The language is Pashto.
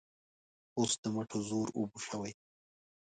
اوس د مټو زور اوبه شوی.